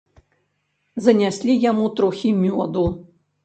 Занясі яму трохі мёду.